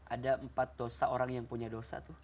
ada empat dosa orang yang punya dosa tuh